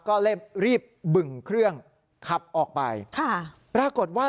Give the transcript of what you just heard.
ก็เลยรีบบึงเครื่องขับออกไปค่ะปรากฏว่า